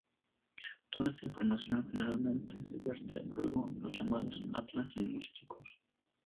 Toda esta información generalmente se vierte luego en los llamados atlas lingüísticos.